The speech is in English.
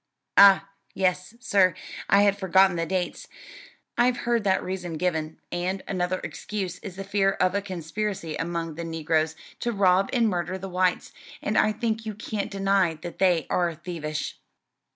] "Ah, yes, sir, I had forgotten the dates; I've heard that reason given; and another excuse is the fear of a conspiracy among the negroes to rob and murder the whites: and I think you can't deny that they are thievish."